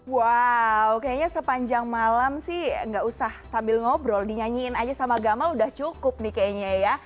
wow kayaknya sepanjang malam sih nggak usah sambil ngobrol dinyanyiin aja sama gamal udah cukup nih kayaknya ya